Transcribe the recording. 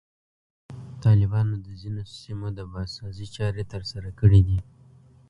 طالبانو د ځینو سیمو د بازسازي چارې ترسره کړي دي.